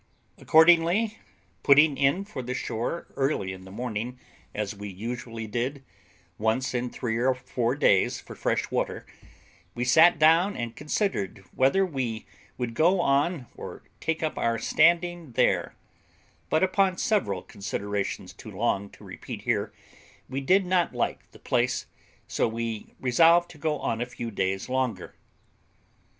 Accordingly, putting in for the shore early in the morning, as we usually did once in three or four days for fresh water, we sat down and considered whether we would go on or take up our standing there; but upon several considerations, too long to repeat here, we did not like the place, so we resolved to go on a few days longer.